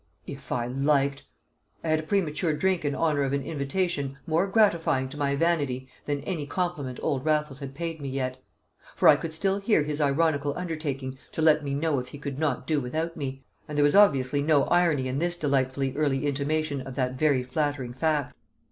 If I liked! I had a premature drink in honour of an invitation more gratifying to my vanity than any compliment old Raffles had paid me yet; for I could still hear his ironical undertaking to let me know if he could not do without me, and there was obviously no irony in this delightfully early intimation of that very flattering fact.